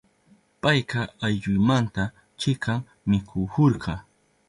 Payka ayllunmanta chikan mikuhurka.